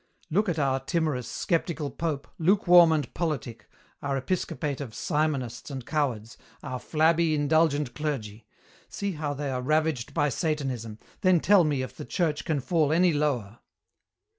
Look at our timorous, skeptical Pope, lukewarm and politic, our episcopate of simonists and cowards, our flabby, indulgent clergy. See how they are ravaged by Satanism, then tell me if the Church can fall any lower."